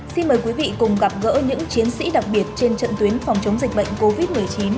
xin mời quý vị cùng gặp gỡ những chiến sĩ đặc biệt trên trận tuyến phòng chống dịch bệnh covid một mươi chín